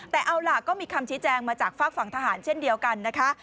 แต่เอาล่ะก็มีคำชี้แจงมาจากฝากฝั่งทหารเช่นเดียวกันนะคะ